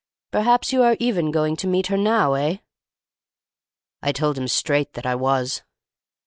Perhaps you are even going to meet her now, eh?'" I told him straight that I was.